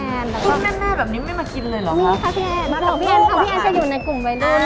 แม่แม่แบบนี้ไม่มากินเลยหรอกครับนี่ค่ะพี่แอดบางทั้งโลกอะพี่แอดจะอยู่ในกลุ่มไว้รื่ส